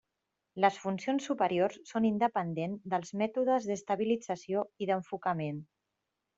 Les funcions superiors són independents dels mètodes d'estabilització i d'enfocament.